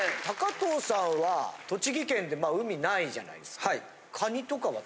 藤さんは栃木県って海ないじゃないですか。